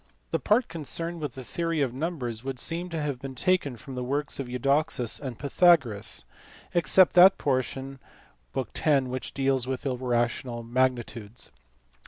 (The part con^ cerned with the theory of numbers would seem to have been taken from the works of Eudoxus and Pythagoras, except that portion (book x.) which deals with irrational magnitudes.